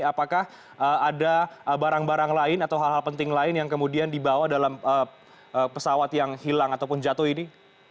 apakah ada barang barang lain atau hal hal penting lain yang kemudian dibawa dalam pesawat yang hilang ataupun jatuh ini